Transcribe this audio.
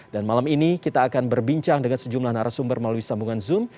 dan malam ini kita akan berbincang dengan sejumlah narasumber melalui sambungan zoom